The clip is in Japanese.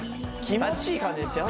気持ちいい感じですよ